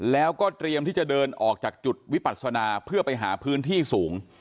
แล้วก็เตรียมที่จะเดินออกจากจุดวิปัศนาเพื่อไปหาพื้นที่สูง